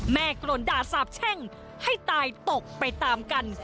กรนด่าสาบแช่งให้ตายตกไปตามกัน